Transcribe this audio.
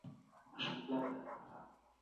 حقوق الله د انسان لومړیتوب دی.